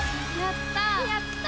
やった！